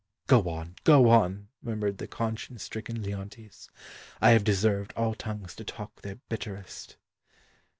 "Go on, go on," murmured the conscience stricken Leontes. "I have deserved all tongues to talk their bitterest."